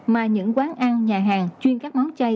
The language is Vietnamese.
mà những quán ăn nhà hàng chuyên các món chay